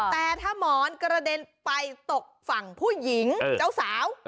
แต่ถ้าหมอนกระเด็นไปตกฝั่งผู้หญิงเจ้าสาว